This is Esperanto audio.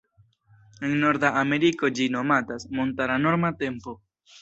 En norda Ameriko ĝi nomatas "Montara Norma Tempo".